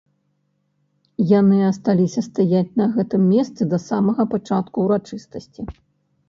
Яны асталіся стаяць на гэтым месцы да самага пачатку ўрачыстасці.